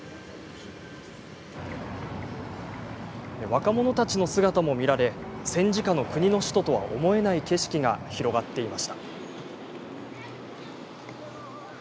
若者たちの姿も見られ戦時下の国の首都とは思えない景色が広がっていました。